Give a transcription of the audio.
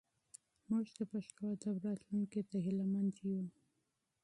موږ د پښتو ادب راتلونکي ته هیله مند یو.